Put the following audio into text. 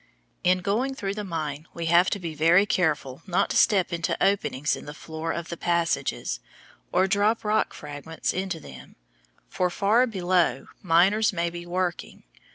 In going through the mine we have to be very careful not to step into openings in the floor of the passages, or drop rock fragments into them, for far below miners may be working.